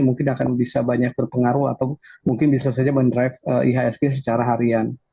mungkin akan bisa banyak berpengaruh atau mungkin bisa saja mendrive ihsg secara harian